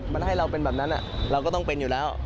มันให้เราเป็นแบบนั้นเราก็ต้องเป็นอยู่แล้ว